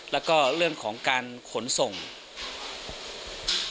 แล้วก็เรื่องของการขนส่งนะครับ